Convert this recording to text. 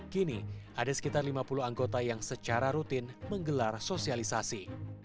kini ada sekitar lima puluh anggota yang secara rutin menggelar sosialisasi